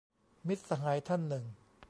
- มิตรสหายท่านหนึ่ง